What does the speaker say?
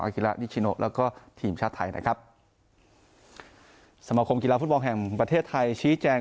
กิระนิชิโนแล้วก็ทีมชาติไทยนะครับสมคมกีฬาฟุตบอลแห่งประเทศไทยชี้แจง